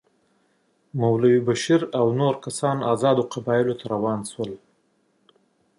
مولوي بشیر او نور کسان آزادو قبایلو ته روان شول.